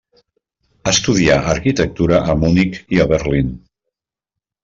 Estudià arquitectura a Munic i a Berlín.